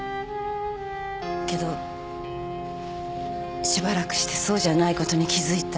けどしばらくしてそうじゃないことに気付いた。